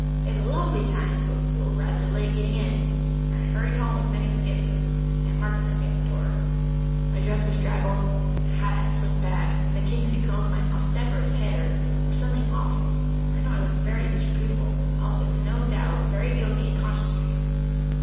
We had a lovely time but were rather late getting in, and I hurried home with many misgivings. Aunt Martha met me at the door. My dress was draggled, my hat had slipped back, and the kinks and curls of my obstreperous hair were something awful. I know I looked very disreputable and also, no doubt, very guilty and conscience stricken.